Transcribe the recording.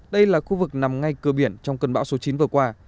đây là khu vực nằm ngay cơ biển trong cơn bão số chín vừa qua